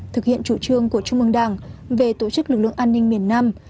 thực hiện chủ trương của trung ương đảng về tổ chức lực lượng an ninh miền nam